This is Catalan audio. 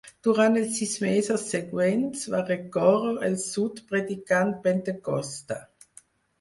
Durant els sis mesos següents va recórrer el sud predicant "Pentecosta".